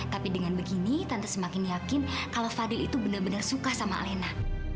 tapi dengan begini tante semakin yakin kalau fadil itu bener bener suka sama alena